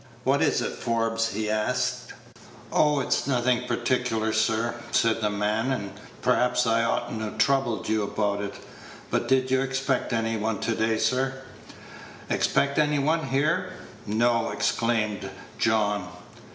"What is it, Forbes?" he asked. "Oh, it's nothing particular, sir," said the man, "and perhaps I ought n't to trouble you about it; but did you expect any one down to day, sir?" "Expect any one here? no!" exclaimed John.